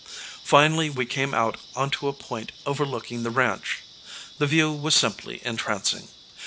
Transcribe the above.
Finally we came out onto a point overlooking the ranch. The view was simply entrancing.